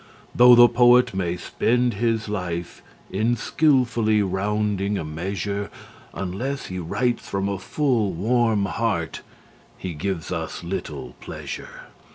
Though the poet may spend his life in skilfully rounding a measure, Unless he writes from a full, warm heart he gives us little pleasure.